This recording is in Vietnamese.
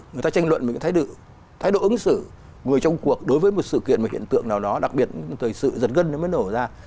người ta tranh luận với cái thái độ ứng xử người trong cuộc đối với một sự kiện và hiện tượng nào đó đặc biệt là sự giật gân nó mới nổ ra